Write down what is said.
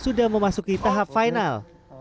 sudah memasuki tahap final